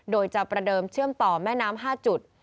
โดยจะประเดิมเชื่อมต่อแม่น้ำ๕จุด